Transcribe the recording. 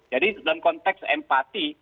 jadi dalam konteks empati